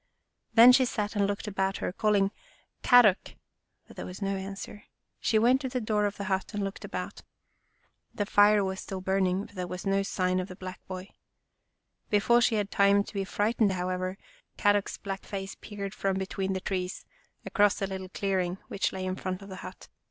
Then she sat and looked about her, call ing " Kadok! " but there was no answer. She went to the door of the hut and looked about. The fire was still burning, but there was no sign of the black boy. Before she had time to be frightened, however, Kadok's black face peered from between the trees, across the little clearing which lay in front of the hut.